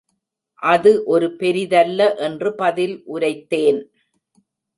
அது ஒரு பெரிதல்ல என்று பதில் உரைத்தேன்.